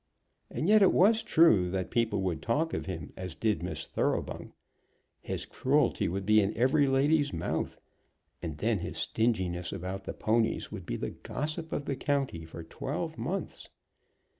And yet it was true that people would talk of him as did Miss Thoroughbung! His cruelty would be in every lady's mouth. And then his stinginess about the ponies would be the gossip of the county for twelve months.